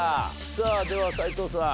さあでは斎藤さん。